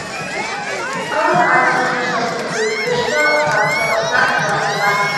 Common ice hockey shots include: wrist shot, slap shot, snap shot and backhand.